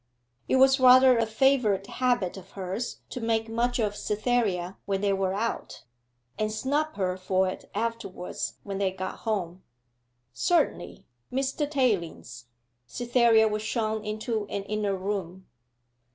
It was rather a favourite habit of hers to make much of Cytherea when they were out, and snub her for it afterwards when they got home. 'Certainly Mr. Tayling's.' Cytherea was shown into an inner room.